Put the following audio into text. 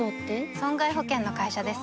損害保険の会社です